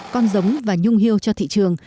con giống và nhung hươu cho thị trường